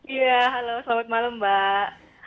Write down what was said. iya halo selamat malam mbak